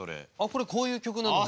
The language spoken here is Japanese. これこういう曲なんで。